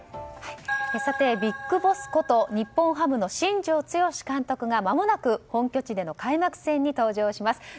ＢＩＧＢＯＳＳこと日本ハムの新庄剛志監督がまもなく本拠地での開幕戦に登場します。